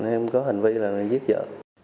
em có hành vi là em giết vợ